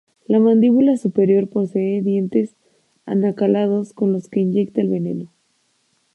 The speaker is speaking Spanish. La mandíbula superior posee dientes acanalados con los que inyecta el veneno.